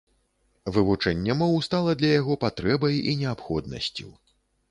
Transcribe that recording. Вывучэнне моў стала для яго патрэбай і неабходнасцю.